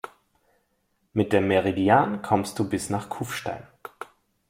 Mit dem Meridian kommst du bis nach Kufstein.